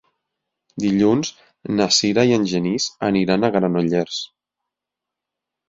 Dilluns na Sira i en Genís aniran a Granollers.